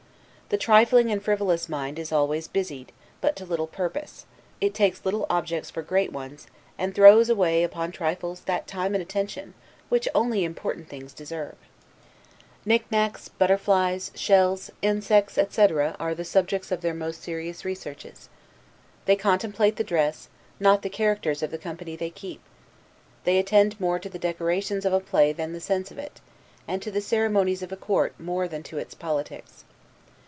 The trifling and frivolous mind is always busied, but to little purpose; it takes little objects for great ones, and throws away upon trifles that time and attention which only important things deserve. Knick knacks; butterflies; shells, insects, etc., are the subjects of their most serious researches. They contemplate the dress, not the characters of the company they keep. They attend more to the decorations of a play than the sense of it; and to the ceremonies of a court more than to its politics.